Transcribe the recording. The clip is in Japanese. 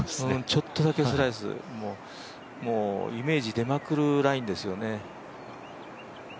ちょっとだけスライス、イメージ出まくるラインですよね。